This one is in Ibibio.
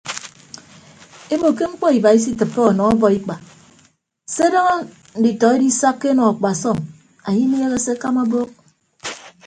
Ebo ke mkpọ iba isitịppe ọnọ ọbọikpa se daña nditọ edisakka enọ akpasọm anye inieehe se akama abọọk.